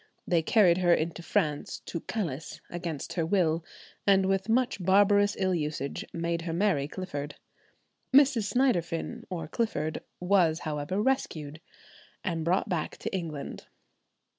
They carried her into France to "Calice" against her will, and with much barbarous ill usage made her marry Clifford. Mrs. Synderfin or Clifford was, however, rescued, and brought back to England.